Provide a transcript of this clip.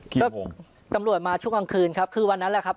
ก็ตำรวจมาช่วงกลางคืนครับคือวันนั้นแหละครับ